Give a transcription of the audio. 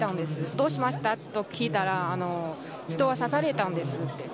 どうしました？と聞いたら、人が刺されたんですって。